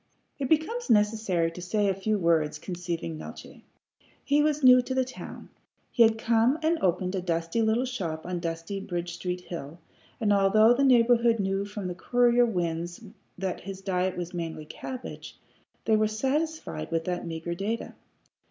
It becomes necessary to say a few words concerning Neeltje. He was new to the town. He had come and opened a dusty little shop on dusty Bridge Street hill, and although the neighborhood knew from the courier winds that his diet was mainly cabbage, they were satisfied with that meagre data.